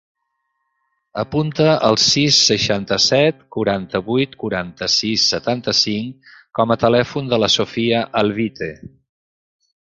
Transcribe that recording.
Apunta el sis, seixanta-set, quaranta-vuit, quaranta-sis, setanta-cinc com a telèfon de la Sofía Alvite.